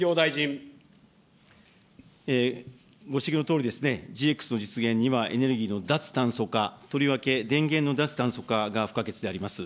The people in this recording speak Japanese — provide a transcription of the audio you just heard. ご指摘のとおり、ＧＸの実現には、エネルギーの脱炭素化、とりわけ、電源の脱炭素化が不可欠であります。